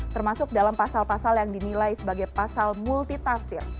termasuk dalam pasal pasal yang dinilai sebagai pasal multitafsir